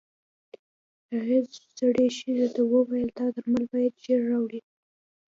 هغې زړې ښځې ته وويل دا درمل بايد ژر راوړې.